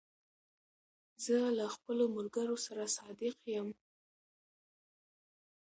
زه له خپلو ملګرو سره صادق یم.